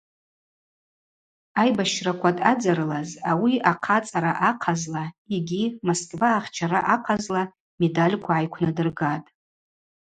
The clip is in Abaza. Айбащраква дъадзарылаз ауи Ахъацӏара ахъазла йгьи Москва ахчара ахъазла медальква гӏайквнадыргатӏ.